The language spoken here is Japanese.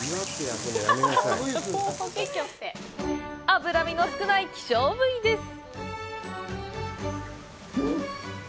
脂身の少ない希少部位です！